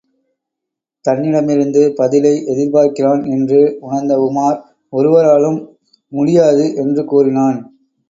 தன்னிடமிருந்து, பதிலை எதிர்பார்க்கிறான் என்று உணர்ந்த உமார் ஒருவராலும் முடியாது என்று கூறினான்.